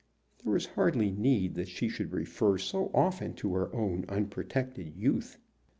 There was hardly need that she should refer so often to her own unprotected youth.